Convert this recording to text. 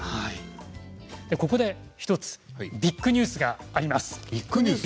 ここで１つビッグニュースがあります。